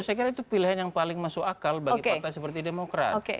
saya kira itu pilihan yang paling masuk akal bagi partai seperti demokrat